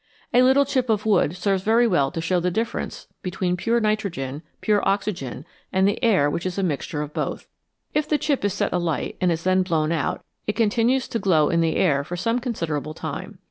A little chip of wood serves very well to show the difference between pure nitrogen, pure oxygen, and the air which is a mixture of both. If the chip is set alight and is then blown out, it continues to glow in the air for some considerable time.